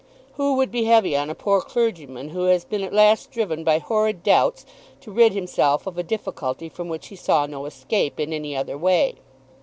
Who would be heavy on a poor clergyman who has been at last driven by horrid doubts to rid himself of a difficulty from which he saw no escape in any other way?